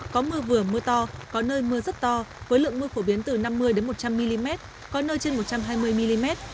có mưa vừa mưa to có nơi mưa rất to với lượng mưa phổ biến từ năm mươi một trăm linh mm có nơi trên một trăm hai mươi mm